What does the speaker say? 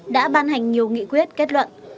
đã ban hành nhiều nghị quyết kết luận